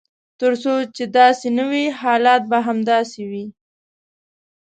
تر څو چې داسې نه وي حالات به همداسې وي.